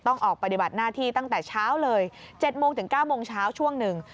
ออกปฏิบัติหน้าที่ตั้งแต่เช้าเลย๗โมงถึง๙โมงเช้าช่วงหนึ่ง